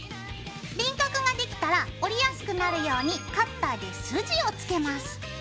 輪郭ができたら折りやすくなるようにカッターで筋をつけます。